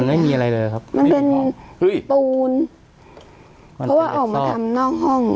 ไม่มีอะไรเลยครับมันเป็นเฮ้ยปูนเพราะว่าออกมาทำนอกห้อง